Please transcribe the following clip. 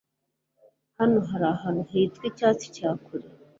Hano hari ahantu hitwa Icyatsi cya kure